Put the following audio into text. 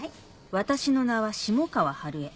私の名は下川春江